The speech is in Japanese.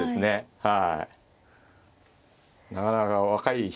はい。